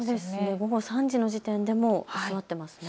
午後３時の時点でも居座っていますね。